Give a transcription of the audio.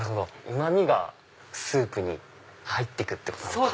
うま味がスープに入ってくってことなのか。